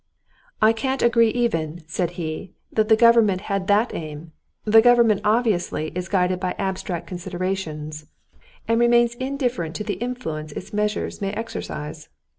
"I can't agree even," said he, "that the government had that aim. The government obviously is guided by abstract considerations, and remains indifferent to the influence its measures may exercise.